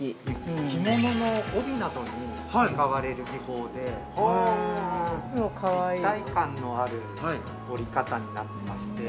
◆着物の帯などに使われる技法で、立体感のある織り方になっていまして。